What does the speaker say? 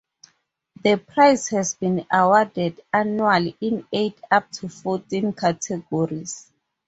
The prize has been awarded annually in eight up to fourteen categories.